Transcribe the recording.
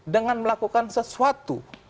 dengan melakukan sesuatu